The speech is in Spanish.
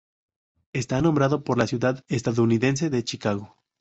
Está nombrado por la ciudad estadounidense de Chicago.